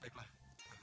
baiklah selamat malam